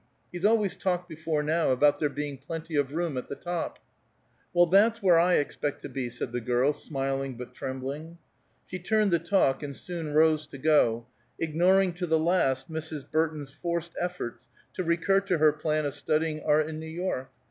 He's always talked, before now, about there being plenty of room at the top." "Well, that's where I expect to be," said the girl, smiling but trembling. She turned the talk, and soon rose to go, ignoring to the last Mrs. Burton's forced efforts to recur to her plan of studying art in New York.